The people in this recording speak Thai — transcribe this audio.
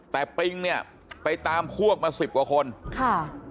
แต่ปิงเนี่ยไปตามพวกมาสิบกว่าคนค่ะ